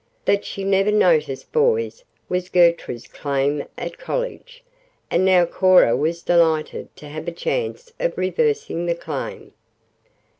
That she never noticed boys was Gertrude's claim at college, and now Cora was delighted to have a chance of reversing the claim.